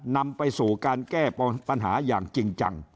นำไปสู่การแก้ปัญหาอย่างจริงจัง